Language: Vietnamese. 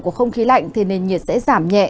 của không khí lạnh thì nền nhiệt sẽ giảm nhẹ